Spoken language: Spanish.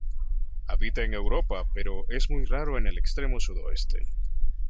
Habita en Europa pero es muy raro en el extremo sudoeste.